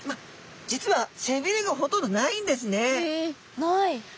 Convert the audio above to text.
実はせびれがほとんどないんですね。へえない。